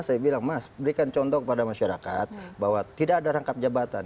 saya bilang mas berikan contoh kepada masyarakat bahwa tidak ada rangkap jabatan